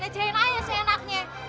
lecehin ayah seenaknya